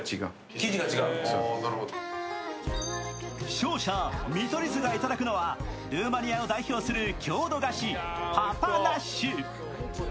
勝者・見取り図がいただくのはルーマニアを代表する郷土菓子・パパナッシュ。